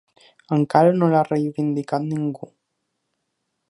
Encara no l’ha reivindicat ningú.